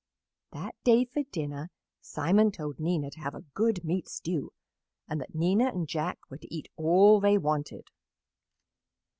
That day for dinner Simon told Nina to have a good meat stew and that Nina and Jack were to eat all they wanted.